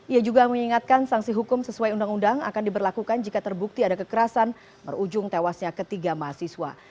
ia juga mengingatkan sanksi hukum sesuai undang undang akan diberlakukan jika terbukti ada kekerasan berujung tewasnya ketiga mahasiswa